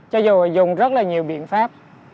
cho dù dùng rất là nhiều biện pháp